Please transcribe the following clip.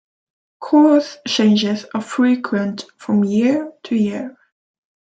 Course changes are frequent from year to year.